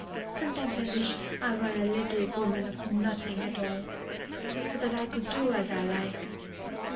Sometimes I wish I were a little woman of nothing at all, so that I could do as I like.